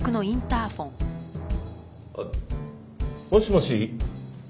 あっもしもし？